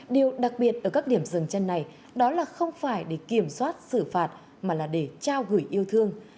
điều đặc biệt ở các điểm dừng chân này đó là không phải để kiểm soát xử phạt mà là để trao gửi yêu thương